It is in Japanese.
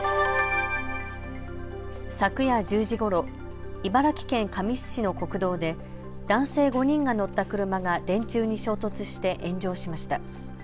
昨夜１０時ごろ、茨城県神栖市の国道で男性５人が乗った車が電柱に衝突して炎上しました。